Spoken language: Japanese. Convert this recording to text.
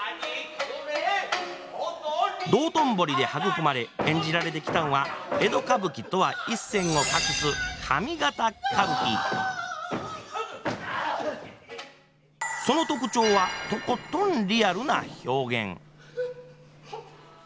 道頓堀で育まれ演じられてきたんは江戸歌舞伎とは一線を画すその特徴はとことんリアルな表現。